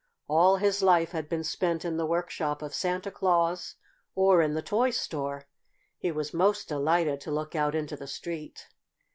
All his life had been spent in the workshop of Santa Claus or in the toy store. He was most delighted to look out into the street.